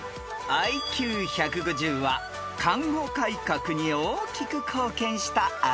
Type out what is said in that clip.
［ＩＱ１５０は看護改革に大きく貢献したあの女性ですよ］